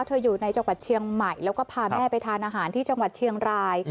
อยู่ในจังหวัดเชียงใหม่แล้วก็พาแม่ไปทานอาหารที่จังหวัดเชียงราย